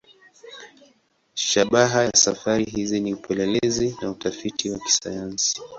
Shabaha ya safari hizi ni upelelezi na utafiti wa kisayansi.